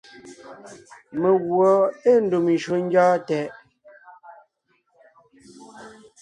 Meguɔ ée ndùm njÿó ńgyɔ́ɔn tɛʼ.